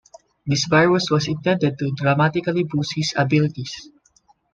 This virus was intended to dramatically boost his abilities.